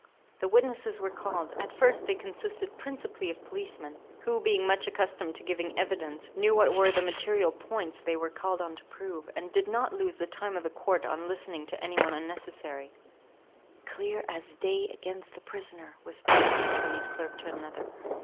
The witnesses were called. At first they consisted principally of policemen; who, being much accustomed to giving evidence, knew what were the material points they were called on to prove, and did not lose the time of the court in listening to any thing unnecessary. "Clear as day against the prisoner," whispered one attorney's clerk to another.